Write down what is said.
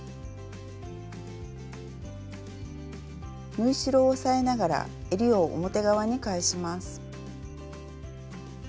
縫い代を押さえながらえりを表側に返します。